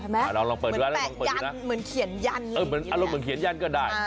เหมือนแปะยันเหมือนเขียนยันอารมณ์เหมือนเขียนยันก็ได้